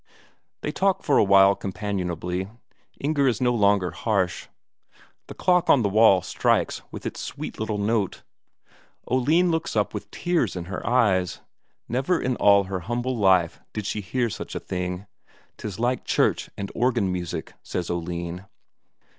They talk for a while companionably; Inger is no longer harsh. The clock on the wall strikes with its sweet little note. Oline looks up with tears in her eyes; never in all her humble life did she hear such a thing 'tis like church and organ music, says Oline.